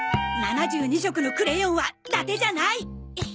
７２色のクレヨンはだてじゃない！